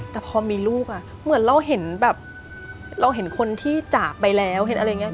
แต่พอมีลูกอ่ะเหมือนเราเห็นแบบเราเห็นคนที่จากไปแล้วเห็นอะไรอย่างนี้